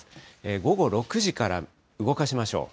午後６時から動かしましょう。